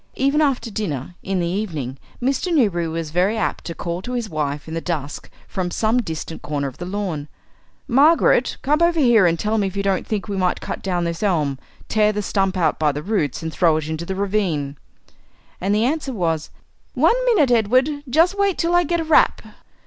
Even after dinner, in the evening, Mr. Newberry was very apt to call to his wife in the dusk from some distant corner of the lawn: "Margaret, come over here and tell me if you don't think we might cut down this elm, tear the stump out by the roots, and throw it into the ravine." And the answer was, "One minute, Edward; just wait till I get a wrap."